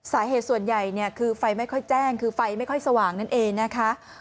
สาเหตุส่วนใหญ่เนี่ยคือไฟไม่ค่อยแจ้งคือไฟไม่ค่อยสว่างนั่นเองนะคะ